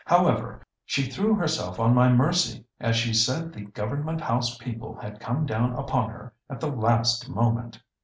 However, she threw herself on my mercy, as she said the Government House people had come down upon her at the last moment."